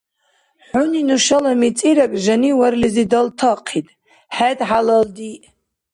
ХӀуни нушала мицӀираг жаниварлизи далтахъид. ХӀед хӀялалдиъ!